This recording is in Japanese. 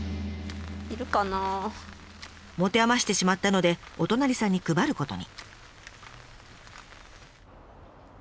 持て余してしまったのでお隣さんに配ることに。